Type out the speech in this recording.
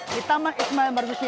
di taman ismail marzuki